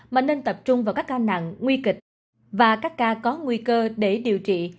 mà nên tập trung vào các ca nặng nguy kịch và các ca có nguy cơ để điều trị